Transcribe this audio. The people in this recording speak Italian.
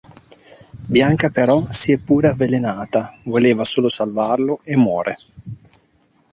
Bianca però si è pure avvelenata, voleva solo salvarlo e muore.